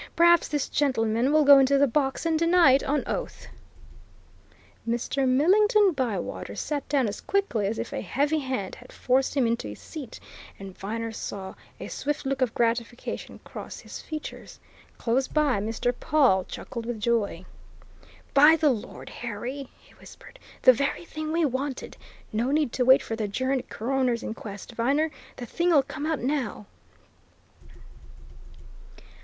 Perhaps this gentleman will go into the box and deny it on oath." Mr. Millington Bywater sat down as quickly as if a heavy hand had forced him into his seat, and Viner saw a swift look of gratification cross his features. Close by, Mr. Pawle chuckled with joy. "By the Lord Harry!" he whispered, "the very thing we wanted! No need to wait for the adjourned coroner's inquest, Viner the thing'll come out now!"